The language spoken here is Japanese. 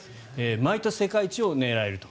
毎年、世界一を狙えると。